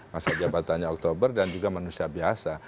masa jabatannya oktober dan juga manusia biasa